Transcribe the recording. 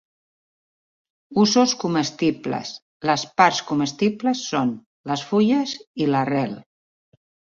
Usos comestibles: les parts comestibles són: les fulles i l'arrel.